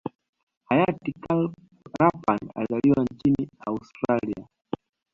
hayati Karl Rapan alizaliwa nchini Australia